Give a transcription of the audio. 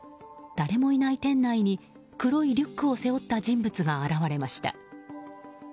誰もいない店内に黒いリュックを背負った人物が現れました。